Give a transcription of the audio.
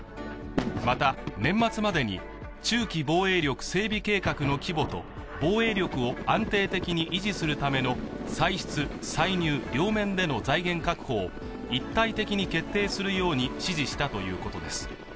また、年末までに中期防衛力整備計画の規模と防衛力を安定的に維持するための歳出歳入両面での財源確保を一体的に決定するように指示したということです。